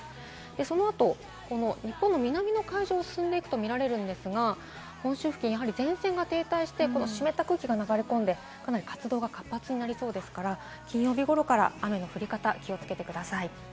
その後、この日本の南の海上を進んでいくと見られますが、本州付近、やはり前線が停滞して湿った空気が流れ込んで、かなり活動が活発になりそうですから金曜日ごろから雨の降り方、気をつけてください。